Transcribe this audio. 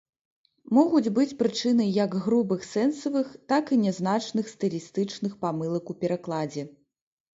Могуць быць прычынай як грубых сэнсавых, так і нязначных стылістычных памылак у перакладзе.